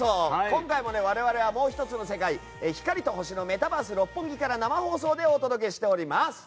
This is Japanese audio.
今回も我々はもう１つの世界光と星のメタバース六本木から生放送でお届けしております。